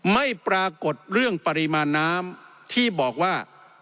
ไม่ปรากฏเรื่องปริมาณน้ำที่บอกว่า